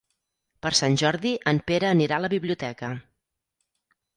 Per Sant Jordi en Pere anirà a la biblioteca.